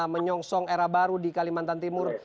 menyongsong era baru di kalimantan timur